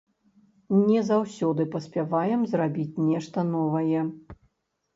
Не заўсёды паспяваем зрабіць нешта новае.